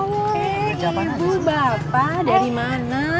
hei ibu bapak dari mana